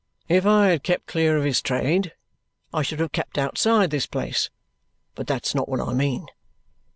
If I had kept clear of his trade, I should have kept outside this place. But that's not what I mean.